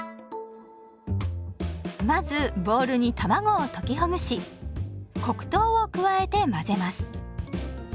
まずボウルに卵を溶きほぐし黒糖を加えて混ぜます。